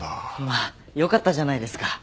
まあよかったじゃないですか。